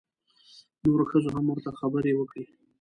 نورو ښځو هم ورته خبرې وکړې.